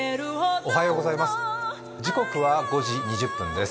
おはようございます。